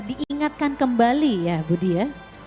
diingatkan kembali ya budi ya